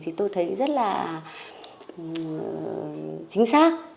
thì tôi thấy rất là chính xác